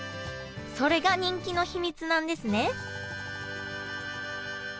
それが人気の秘密なんですね